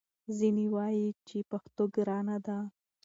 ځینې وايي چې پښتو ګرانه ده